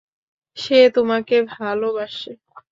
সে তোমাকে ভালোবাসে।